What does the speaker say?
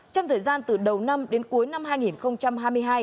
trong thời gian từ đầu năm đến cuối năm hai nghìn hai mươi hai